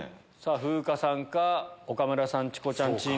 風花さんか岡村さん・チコちゃんチームか。